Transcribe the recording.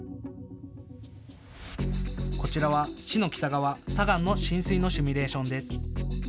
こちらは市の北側、左岸の浸水のシミュレーションです。